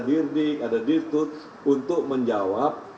dirdik ada dithut untuk menjawab